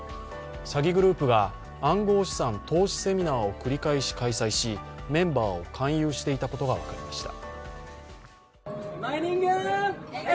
詐欺グループが暗号資産投資セミナーを繰り返し開催しメンバーを勧誘していたことが分かりました。